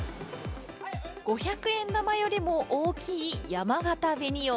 五百円玉よりも大きいやまがた紅王。